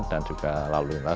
dan juga lalu lintas